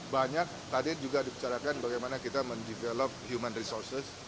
banyak tadi juga dibicarakan bagaimana kita mendevelop human resources